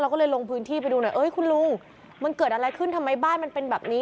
ก็เลยลงพื้นที่ไปดูหน่อยเอ้ยคุณลุงมันเกิดอะไรขึ้นทำไมบ้านมันเป็นแบบนี้